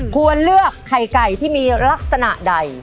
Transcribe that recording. ควรเลือกไข่ไก่ที่มีลักษณะใด